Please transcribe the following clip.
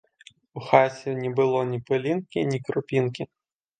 У хаце не было нi пылiнкi, нi крупiнкi.